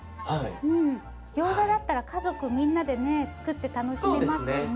ギョーザだったら家族みんなでね作って楽しめますしね。